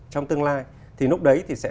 trong tương lai thì lúc đấy thì sẽ